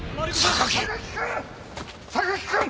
榊君！